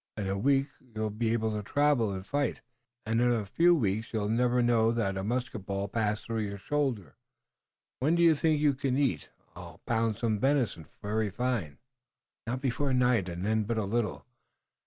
In a week you'll be able to travel and fight, and in a few weeks you'll never know that a musket ball passed through your shoulder. When do you think you can eat? I'll pound some of the venison very fine." "Not before night, and then but little.